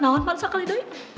nawan pak sekali doi